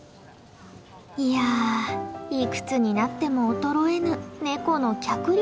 いやいくつになっても衰えぬネコの脚力。